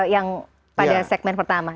yang pada segmen pertama